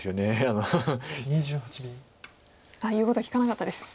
あっ言うこと聞かなかったです。